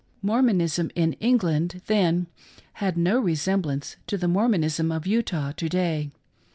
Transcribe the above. Mormonism in England, then, had no resemblance to the Mormonism of Utah to day.